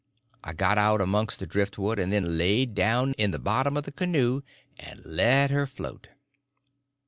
I got out amongst the driftwood, and then laid down in the bottom of the canoe and let her float.